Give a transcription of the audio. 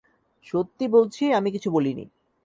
সত্যি বলছি, আমি কিছু বলিনি।